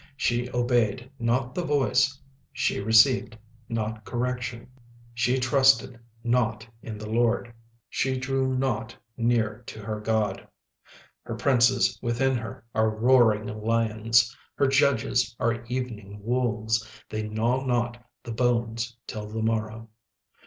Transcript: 36:003:002 She obeyed not the voice; she received not correction; she trusted not in the LORD; she drew not near to her God. 36:003:003 Her princes within her are roaring lions; her judges are evening wolves; they gnaw not the bones till the morrow.